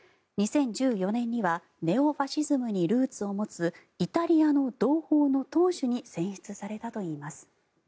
２０１４年にはネオファシズムにルーツを持つイタリアの同胞の党首に選出されたといいます。